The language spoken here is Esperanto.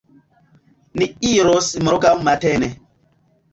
Ni iros morgaŭ matene.